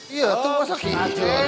iya itu pasangin aja